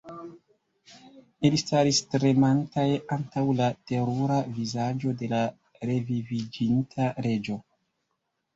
Ili staris tremantaj antaŭ la terura vizaĝo de la reviviĝinta Reĝo.